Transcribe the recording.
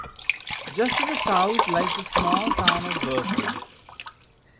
Just to the south lies the small town of Berkeley.